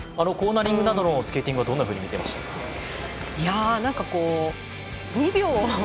コーナリングなどのスケーティングはどんなふうに見ていましたか？